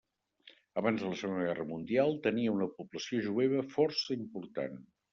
Abans de la Segona Guerra Mundial tenia una població jueva força important.